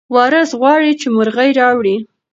وارث غواړي چې مرغۍ راوړي.